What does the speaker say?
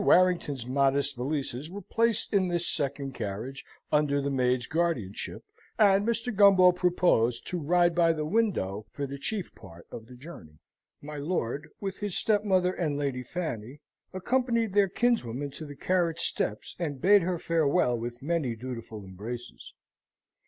Warrington's modest valises were placed in this second carriage under the maid's guardianship, and Mr. Gumbo proposed to ride by the window for the chief part of the journey. My lord, with his stepmother and Lady Fanny, accompanied their kinswoman to the carriage steps, and bade her farewell with many dutiful embraces.